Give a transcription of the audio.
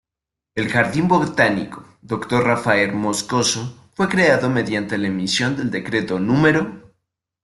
El Jardín Botánico Dr. Rafael Moscoso fue creado mediante la emisión del Decreto No.